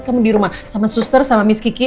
kamu di rumah sama suster sama miss kiki